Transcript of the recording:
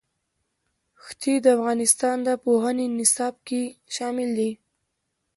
ښتې د افغانستان د پوهنې نصاب کې شامل دي.